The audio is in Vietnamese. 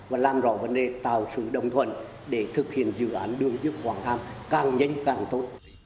và làm rõ vấn đề tạo sự đồng thuận để thực hiện dự án đường dương quảng nam càng nhanh càng tốt